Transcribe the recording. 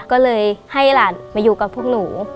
ก็เลยให้หลานมาอยู่กับพวกหนู